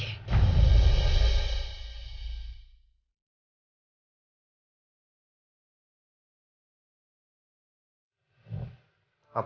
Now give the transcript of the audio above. apapun yang terjadi saya akan mencari penjahat yang lebih baik